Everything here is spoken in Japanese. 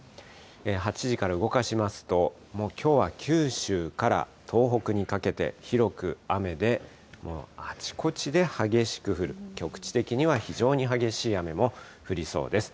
８時から動かしますと、もうきょうは九州から東北にかけて広く雨で、あちこちで激しく降る、局地的には非常に激しい雨も降りそうです。